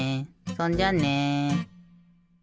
そんじゃあね。